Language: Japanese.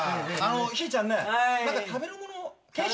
ひーちゃんね何か食べるもの軽食。